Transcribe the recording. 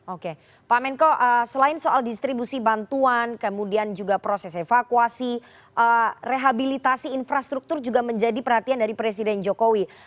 oke pak menko selain soal distribusi bantuan kemudian juga proses evakuasi rehabilitasi infrastruktur juga menjadi perhatian dari presiden jokowi